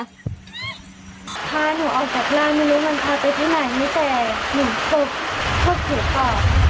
พาหนูออกจากร้านไม่รู้มันพาไปที่ไหนไม่แต่หนูพบพบผีปอบ